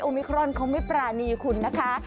มิครอนเขาไม่ปรานีคุณนะคะ